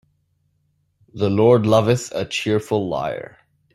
The Lord loveth a cheerful liar.